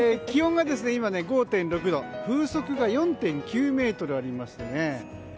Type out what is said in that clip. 気温が今、５．６度風速が４．９メートルありますね。